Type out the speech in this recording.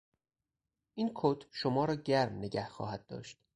این کت شما را گرم نگه خواهد داشت.